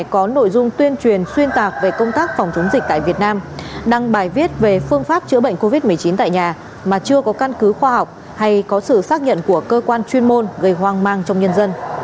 có nội dung tuyên truyền xuyên tạc về công tác phòng chống dịch tại việt nam đăng bài viết về phương pháp chữa bệnh covid một mươi chín tại nhà mà chưa có căn cứ khoa học hay có sự xác nhận của cơ quan chuyên môn gây hoang mang trong nhân dân